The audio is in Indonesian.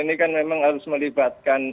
ini kan memang harus melibatkan